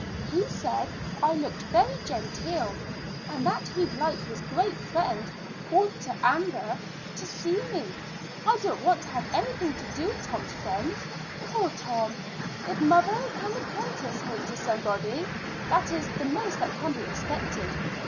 He said I looked very genteel, and that he'd like his great friend, Walter Amber, to see me. I don't want to have anything to do with Tom's friends. Poor Tom! if mother can apprentice him to somebody, that is the most that can be expected.